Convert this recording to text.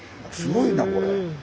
すごいなこれ。